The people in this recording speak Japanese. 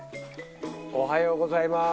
おはようございます。